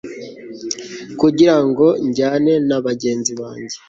kugira ngo njyane na bagenzi banjye